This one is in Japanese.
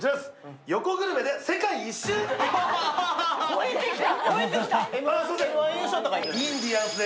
超えてきた。